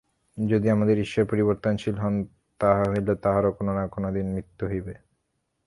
যদি আমাদের ঈশ্বর পরিবর্তনশীল হন, তাহা হইলে তাঁহারও কোন-না-কোন দিন মৃত্যু হইবে।